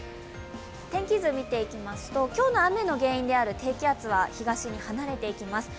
天気図見ていきますと、今日の雨の原因である低気圧は東に離れていきます。